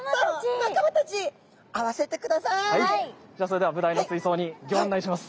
じゃそれではブダイの水槽にギョ案内します。